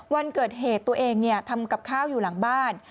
วันเกิดเหตุตัวเองทำกับข้าวอยู่หลังบ้าน